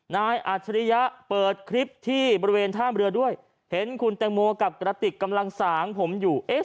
อาจริยะเปิดคลิปที่บริเวณท่ามเรือด้วยเห็นคุณแตงโมกับกระติกกำลังสางผมอยู่เอ๊ะ